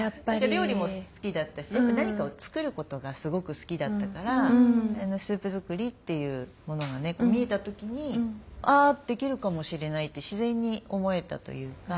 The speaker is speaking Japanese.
料理も好きだったしやっぱ何かを作ることがすごく好きだったからスープ作りというものがね見えた時に「あできるかもしれない」って自然に思えたというか。